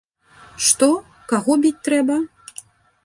Што, каго біць трэба?